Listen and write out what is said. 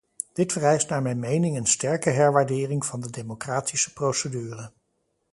Dit vereist naar mijn mening een sterke herwaardering van de democratische procedure.